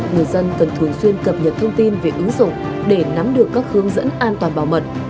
người dân cần thường xuyên cập nhật thông tin về ứng dụng để nắm được các hướng dẫn an toàn bảo mật